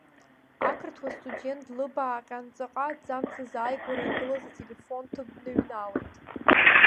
Ақырҭуа студент длыбааҟьан, ҵаҟа аҭӡамц азааигәара игылаз ателефон ҭыԥ дныҩналеит.